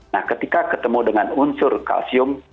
nah ketika ketemu dengan unsur kalsium